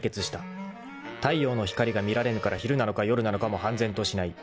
［太陽の光が見られぬから昼なのか夜なのかも判然としない］